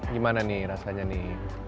gimana nih rasanya nih